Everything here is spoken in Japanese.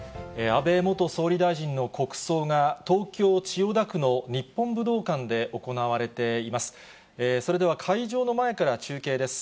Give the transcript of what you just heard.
安倍元総理大臣の国葬が東京・千代田区の日本武道館で行われています。